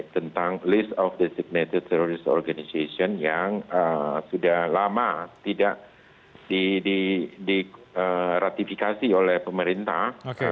tentang list of deciction organization yang sudah lama tidak diratifikasi oleh pemerintah